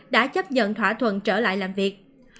đã chấp nhận thỏa thuận trở lại làm việc